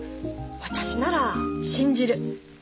私なら信じる。